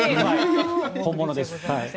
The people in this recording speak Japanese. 本物です。